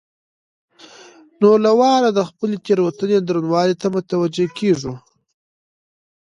نو له واره د خپلې تېروتنې درونوالي ته متوجه کېږو.